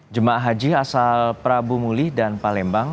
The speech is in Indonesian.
jum ah haji asal prabu mulih dan palembang